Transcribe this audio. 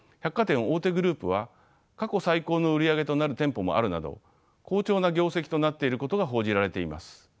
大手グループは過去最高の売り上げとなる店舗もあるなど好調な業績となっていることが報じられています。